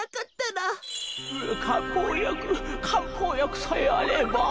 うかんぽうやくかんぽうやくさえあれば。